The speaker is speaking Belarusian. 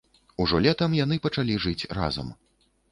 Ужо летам яны пачалі жыць разам.